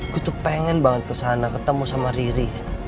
gue tuh pengen banget kesana ketemu sama riri